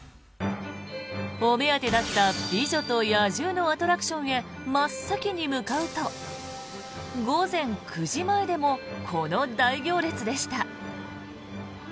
お目当てだった「美女と野獣」のアトラクションへ真っ先に向かうと午前９時前でもこの大行列でした。